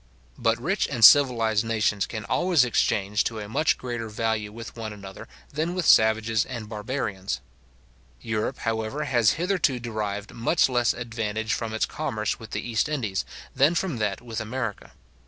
But rich and civilized nations can always exchange to a much greater value with one another, than with savages and barbarians. Europe, however, has hitherto derived much less advantage from its commerce with the East Indies, than from that with America.